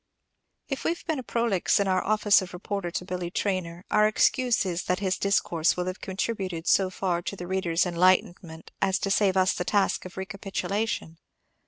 If we have been prolix in our office of reporter to Billy Traynor, our excuse is that his discourse will have contributed so far to the reader's enlightenment as to save us the task of recapitulation.